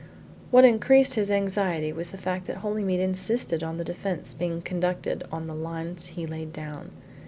What increased his anxiety was the fact that Holymead insisted on the defence being conducted on the lines he laid down.